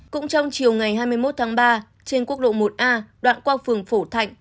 cũng trong chiều ngày hai mươi một tháng ba trên quốc lộ một a đoạn qua phường phổ thạnh